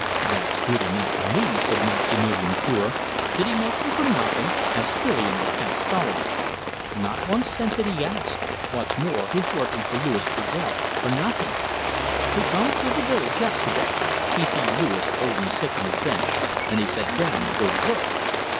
"That's good enough for me!" said Maximilian Cour. "Did he make them for nothing?" asked Filion Lacasse solemnly. "Not one cent did he ask. What's more, he's working for Louis Trudel for nothing. He come through the village yesterday; he see Louis old and sick on his bench, and he set down and go to work."